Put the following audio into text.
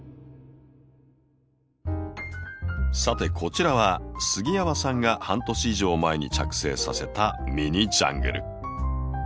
さてこちらは杉山さんが半年以上前に着生させたミニジャングル。